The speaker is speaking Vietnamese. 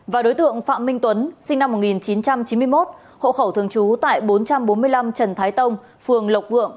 và đối tượng phạm minh tuấn sinh năm một nghìn chín trăm chín mươi một hộ khẩu thường trú tại bốn trăm bốn mươi năm trần thái tông phường lộc vượng